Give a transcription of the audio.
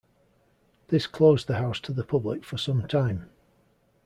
This closed the house to the public for some time.